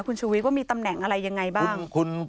คุณชูวิทย์ว่ามีตำแหน่งอะไรยังไงบ้าง